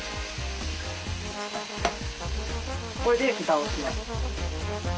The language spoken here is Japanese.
これで蓋をします。